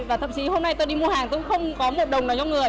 và thậm chí hôm nay tôi đi mua hàng tôi không có một đồng nào cho người